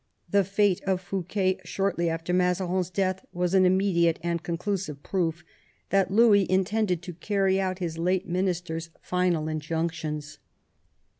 The fate of Fouquet, shortly after Mazarin's death, was an immediate and conclusive proof that Louis intended to carry out his late minister's final injunctions.